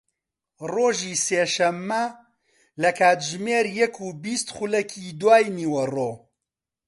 ڕۆژی سێشەممە لە کاتژمێر یەک و بیست خولەکی دوای نیوەڕۆ